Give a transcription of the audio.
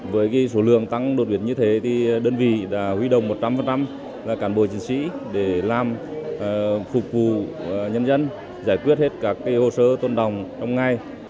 với số lượng tăng đột biệt như thế thì đơn vị đã huy động một trăm linh cán bộ chiến sĩ để làm phục vụ nhân dân giải quyết hết các hồ sơ tôn đồng trong ngày